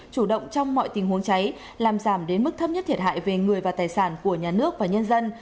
chủ động trong mọi tình huống cháy làm giảm đến mức thấp nhất thiệt hại về người và tài sản của nhà nước và nhân dân